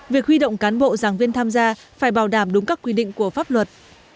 việc huy động cán bộ giảng viên tham gia phải bảo đảm đúng các quy định của pháp luật